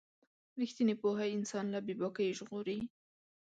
رښتینې پوهه انسان له بې باکۍ ژغوري.